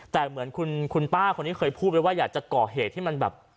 แต่เหมือนคุณป้าคนนี้เคยพูดไปว่าอยากจะก่อเหตุที่มันแบบ